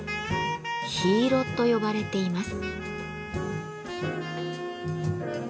「火色」と呼ばれています。